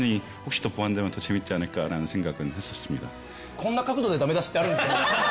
こんな角度でダメ出しってあるんですね。